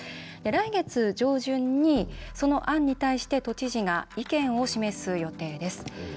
来月、上旬にその案に対して都知事が意見を示す予定です。